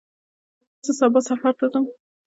زه سبا سفر ته ځم.